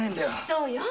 そうよ。